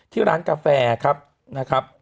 ที่ร้านกาแฟครับ